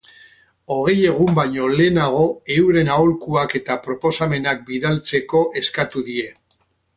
Hogei egun baino lehenago euren aholkuak eta proposamenak bidaltzeko eskatu die.